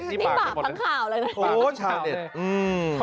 นี่บากทั้งข่าวเลยโอ้โหชาวเน็ตอืม